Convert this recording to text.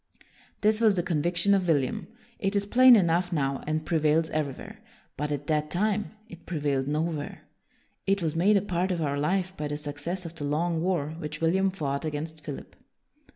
This was the conviction of William. It is plain enough now, and prevails everywhere. But at that time, it prevailed nowhere. It was made a part of our life by the success of the long war which William fought against Philip.